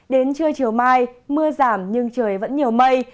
đến trưa chiều mai mưa giảm nhưng trời vẫn nhiều mây